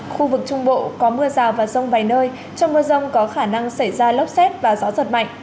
khu vực trung bộ có mưa rào và rông vài nơi trong mưa rông có khả năng xảy ra lốc xét và gió giật mạnh